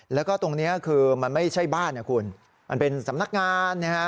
แล้วก็ตรงนี้คือมันไม่ใช่บ้านนะคุณมันเป็นสำนักงานนะฮะ